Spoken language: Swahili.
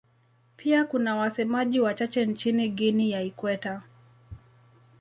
Pia kuna wasemaji wachache nchini Guinea ya Ikweta.